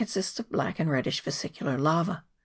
[PART II. of black and reddish vesicular lava.